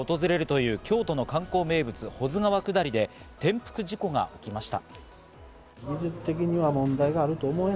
昨日年間およそ３０万人が訪れるという京都の観光名物・保津川下りで転覆事故が起きました。